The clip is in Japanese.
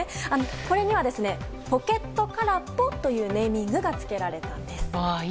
これにはポケットからっぽというネーミングがつけられたんです。